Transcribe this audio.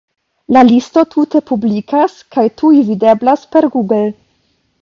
La listo tute publikas, kaj tuj videblas per Google.